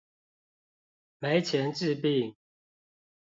沒錢治病